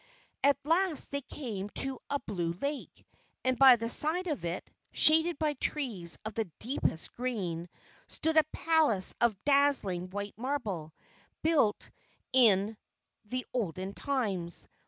At last they came to a blue lake, and by the side of it, shaded by trees of the deepest green, stood a palace of dazzling white marble, built in the olden times.